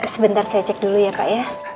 sebentar saya cek dulu ya pak ya